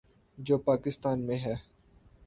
جو پاکستان میں ہے۔